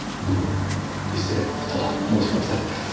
失礼な事を申しました。